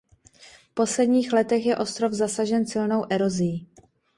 V posledních letech je ostrov zasažen silnou erozí.